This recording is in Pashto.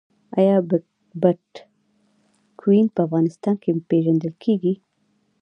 آیا بټکوین په افغانستان کې پیژندل کیږي؟